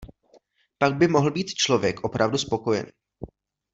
Pak by mohl být člověk opravdu spokojený.